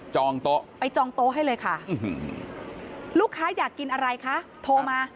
โต๊ะไปจองโต๊ะให้เลยค่ะลูกค้าอยากกินอะไรคะโทรมา